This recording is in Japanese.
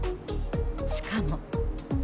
しかも。